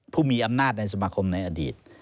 ผู้มีอำนาจในสมาคมในอดีต